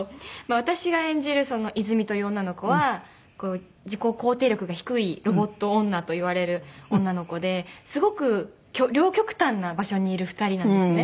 私が演じる和泉という女の子は自己肯定力が低いロボット女と言われる女の子ですごく両極端な場所にいる２人なんですね。